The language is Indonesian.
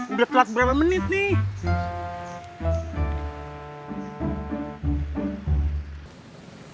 udah telat berapa menit nih